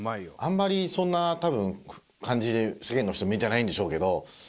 あんまりそんな多分感じで世間の人は見てないんでしょうけど。